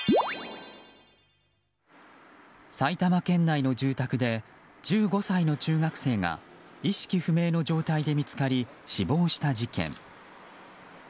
埼玉県内の住宅で１５歳の中学生が意識不明の状態で見つかり死亡した事件。